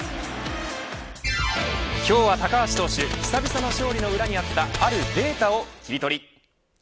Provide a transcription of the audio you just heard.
今日は高橋投手久々の勝利の裏にあったあるデータをキリトリ。